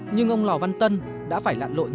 nhưng ông lò văn tân đã phải lạc lộ nhiều tháng